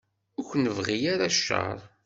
Ur k-nebɣi ara cceṛ.